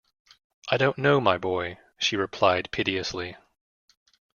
“I don’t know, my boy,” she replied piteously.